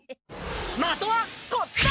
まとはこっちだ！